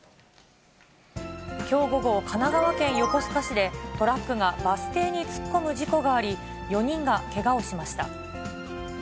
きょう午後、神奈川県横須賀市で、トラックがバス停に突っ込む事故があり、４人がけがをしました。